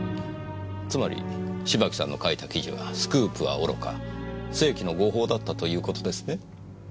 つまり芝木さんの書いた記事はスクープはおろか世紀の誤報だったという事ですね？